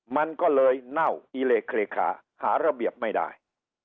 มันก็เลยเน่าอิเลเครคาหาระเบียบไม่ได้